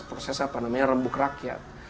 proses apa namanya rembuk rakyat